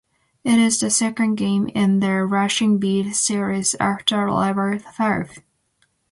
It is the second game in the "Rushing Beat" series, after "Rival Turf!